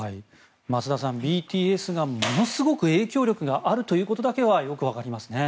増田さん、ＢＴＳがものすごく影響力があるということだけはよくわかりますね。